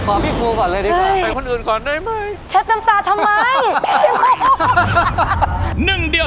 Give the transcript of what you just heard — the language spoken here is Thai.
โอ้ยคู่นี้อะไรเนี่ย